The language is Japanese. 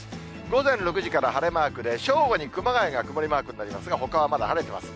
午前６時から晴れマークで、正午に熊谷が曇りマークになりますが、ほかはまだ晴れてます。